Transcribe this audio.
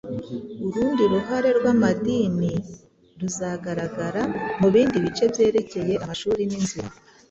Urundi ruhare rw'amadini ruzagaragara mu bindi bice byerekeye amashuri n'inzira